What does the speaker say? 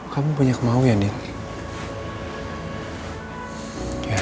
kamu banyak mau ya niel